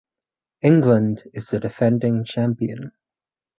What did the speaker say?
England is the defending champion.